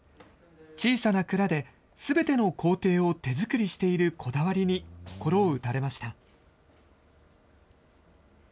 小さな蔵ですべての工程を手作りしているこだわりに心を打たれました。